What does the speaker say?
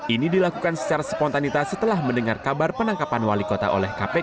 ini dilakukan secara spontanitas setelah mendengar kabar penangkapan wali kota oleh kpk